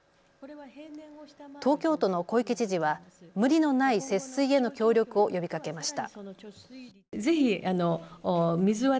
東京都の小池知事は無理のない節水への協力を呼びかけました。